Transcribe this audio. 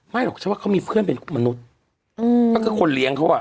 หรอกฉันว่าเขามีเพื่อนเป็นมนุษย์ก็คือคนเลี้ยงเขาอ่ะ